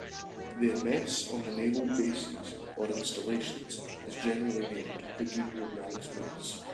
Their mess on naval bases or installations is generally named the "junior ranks mess".